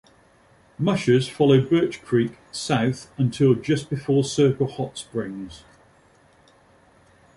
Mushers follow Birch Creek south until just before Circle Hot Springs.